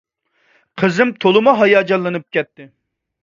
قىزىم تولىمۇ ھاياجانلىنىپ كەتتى.